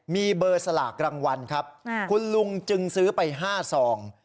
มีเบอร์สลากรางวัลครับคุณลุงจึงซื้อไป๕ซอง